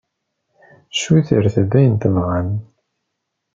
Ssutret-d ayen tebɣam!